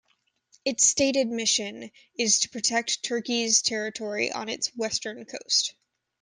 Its stated mission is to protect Turkey's territory on its western coast.